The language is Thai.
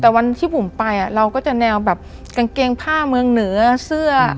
แต่วันที่บุ๋มไปเราก็จะแนวแบบกางเกงผ้าเมืองเหนือเสื้อ